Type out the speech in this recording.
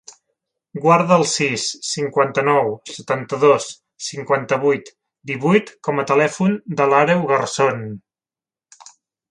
Guarda el sis, cinquanta-nou, setanta-dos, cinquanta-vuit, divuit com a telèfon de l'Àreu Garzon.